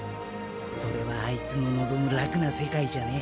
それはアイツの望む楽な世界じゃねえ。